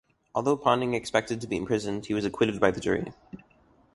Although Ponting expected to be imprisoned he was acquitted by the jury.